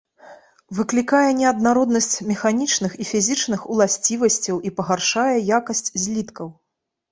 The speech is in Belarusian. Выклікае неаднароднасць механічных і фізічных уласцівасцяў і пагаршае якасць зліткаў.